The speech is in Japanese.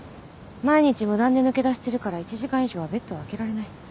毎日無断で抜け出してるから１時間以上はベッドをあけられない。